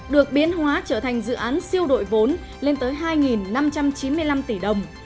được biến hóa trở thành dự án siêu đội vốn lên tới hai năm trăm chín mươi năm tỷ đồng